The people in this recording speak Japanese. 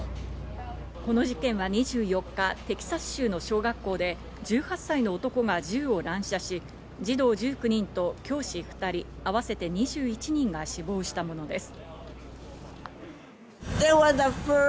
この事件は２４日、テキサス州の小学校で１８歳の男が銃を乱射し、児童１９人と教師２人、合わせて２１人が死亡したものです。